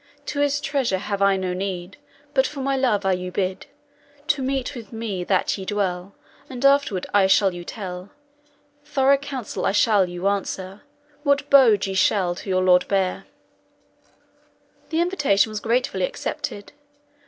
To his treasure have I no need! But for my love I you bid, To meat with me that ye dwell; And afterward I shall you tell. Thorough counsel I shall you answer, What BODE [Message] ye shall to your lord bear. "The invitation was gratefully accepted.